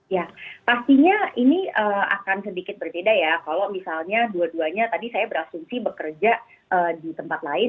ya pastinya ini akan sedikit berbeda ya kalau misalnya dua duanya tadi saya berasumsi bekerja di tempat lain